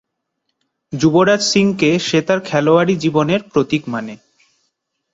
যুবরাজ সিংকে সে তার খেলোয়াড়ী জীবনের প্রতীক মানে।